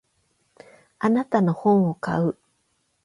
あなたの本を買う。